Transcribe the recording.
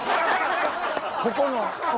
ここの。